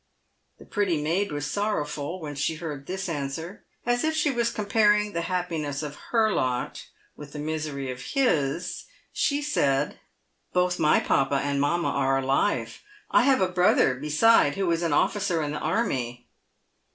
The pretty maid was sorrowful when she heard this answer. As if she was comparing the happiness of her lot with the misery of his, sbe said: " Both my papa and mamma are alive. I have a brother, beside, who is an officer in the army."